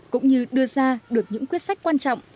cũng như đưa ra được những quyết sách quan trọng